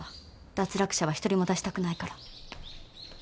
脱落者は一人も出したくないから。